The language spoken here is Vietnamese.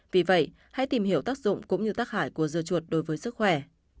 vì vậy hãy tìm hiểu tác dụng cũng như tác hại của dưa chuột đối với sức khỏe